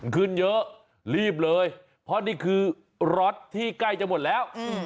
ขึ้นเยอะรีบเลยเพราะนี่คือรถที่ใกล้จะหมดแล้ว